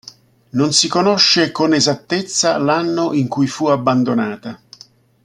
Non si conosce con esattezza l'anno in cui fu abbandonata.